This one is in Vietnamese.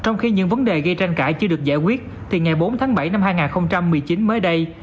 trong khi những vấn đề gây tranh cãi chưa được giải quyết thì ngày bốn tháng bảy năm hai nghìn một mươi chín mới đây